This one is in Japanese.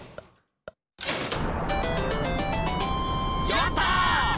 やった！